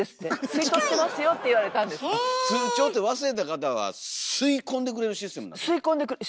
通帳って忘れた方は吸い込んでくれるシステムなんですか？